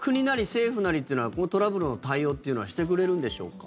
政府なりっていうのはこのトラブルの対応っていうのはしてくれるんでしょうか。